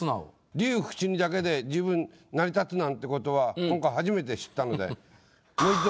「龍淵に」だけで十分成り立つなんてことは今回初めて知ったので。